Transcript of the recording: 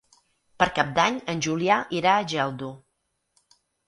Per Cap d'Any en Julià irà a Geldo.